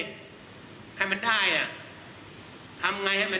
ทำไงให้มันได้อ่ะแล้วไม่ต้องมาปล่อยให้มีจิตสมนึกอ่ะ